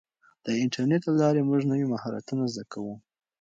د انټرنیټ له لارې موږ نوي مهارتونه زده کوو.